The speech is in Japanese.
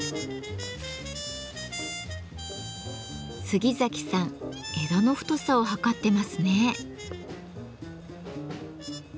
杉崎さん枝の太さを測ってますね。